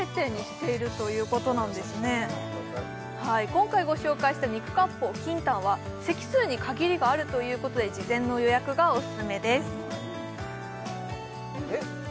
今回ご紹介した肉割烹ＫＩＮＴＡＮは席数に限りがあるということで事前の予約がオススメですえっ